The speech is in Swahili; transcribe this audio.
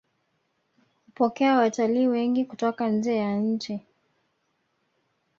hupokea watalii wengi kutoka njee ya nchi